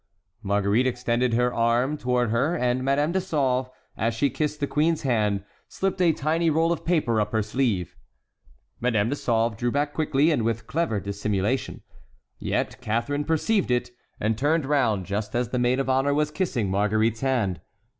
Marguerite extended her arm toward her, and Madame de Sauve, as she kissed the queen's hand, slipped a tiny roll of paper up her sleeve. Madame de Sauve drew back quickly and with clever dissimulation; yet Catharine perceived it, and turned round just as the maid of honor was kissing Marguerite's hand.